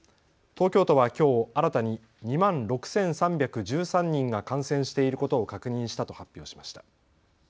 東京都はきょう新たに２万６３１３人が感染していることを確認したと発表しました。